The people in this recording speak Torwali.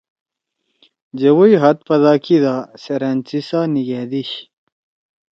جوَئی ہات پدا کیِدا سیرأن سی ساہ نیِگھأدیِشی۔